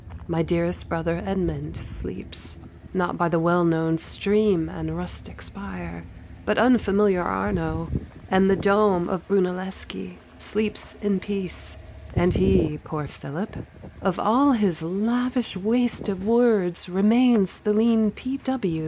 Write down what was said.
My dearest brother, Edmund, sleeps, Not by the well known stream and rustic spire, But unfamiliar Arno, and the dome Of Brunelleschi; sleeps in peace: and he, Poor Philip, of all his lavish waste of words Remains the lean P.